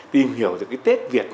tìm hiểu được cái tết việt